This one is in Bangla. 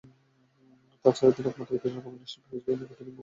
এছাড়া তিনি একমাত্র কৃষ্ণাঙ্গ অভিনয়শিল্পী যিনি অভিনয়ের ত্রি-মুকুট লাভ করেন।